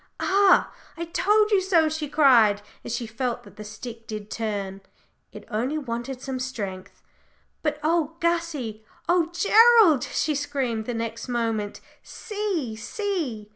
"Ah! I told you so," she cried, as she felt that the stick did turn, "it only wanted some strength. But oh, Gussie! oh, Gerald!" she screamed the next moment, "see, see!"